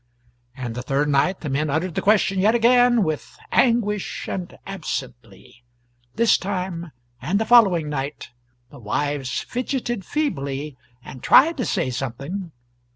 And the third night the men uttered the question yet again with anguish, and absently. This time and the following night the wives fidgeted feebly, and tried to say something.